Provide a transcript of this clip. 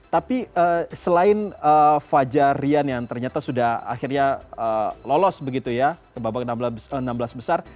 tapi selain fajar rian yang ternyata sudah akhirnya lolos begitu ya ke babak enam belas besar